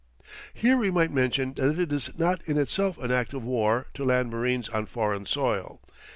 Here we might mention that it is not in itself an act of war to land marines on foreign soil.